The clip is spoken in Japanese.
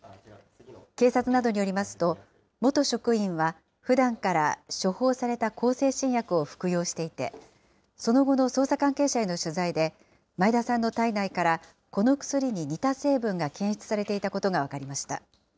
警察などによりますと、元職員はふだんから処方された向精神薬を服用していて、その後の捜査関係者への取材で、前田さんの体内からこの薬に似た成分が検出されていたことが分かりました。